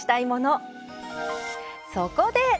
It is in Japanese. そこで！